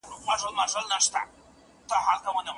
بدلون د ژوند ضرورت دی.